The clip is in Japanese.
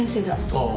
ああ。